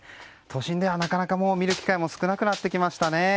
都心ではなかなか見る機会も少なくなってきましたね。